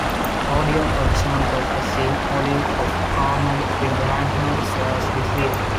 Audio professional Doctor Sean Olive of Harman International shares this view.